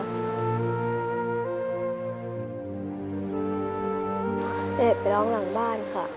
แอบไปร้องหลังบ้านค่ะ